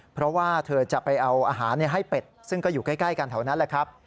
เพราะว่าเธอจะไปเอาอาหารให้เป็ดซึ่งก็อยู่ใกล้กันแถวนั้นแหละครับ